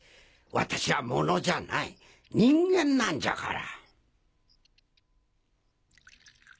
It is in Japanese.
私は物じゃない人間なんじゃから。